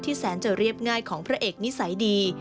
แสนจะเรียบง่ายของพระเอกนิสัยดี